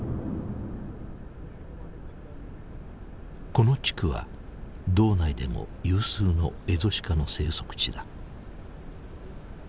この地区は道内でも有数のエゾシカの生息地だ。